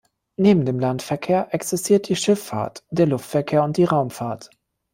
Neben dem Landverkehr existiert die Schifffahrt, der Luftverkehr und die Raumfahrt.